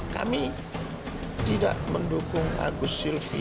kami tidak mendukung agus silvi